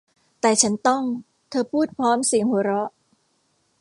แต่ฉันต้อง เธอพูดพร้อมเสียงหัวเราะ